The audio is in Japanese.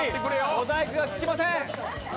小細工が効きません。